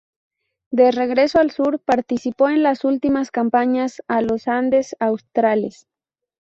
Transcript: De regreso al sur, participó en las últimas campañas a los Andes australes.